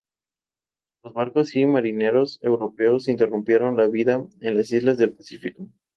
Los barcos y marineros europeos interrumpieron la vida en las islas del Pacífico.